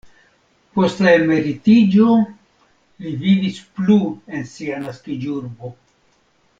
Post la emeritiĝo li vivis plu en sia naskiĝurbo.